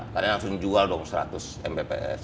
kalian harus jual dong seratus mbps